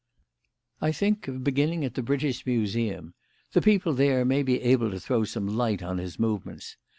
"I think of beginning at the British Museum. The people there may be able to throw some light on his movements.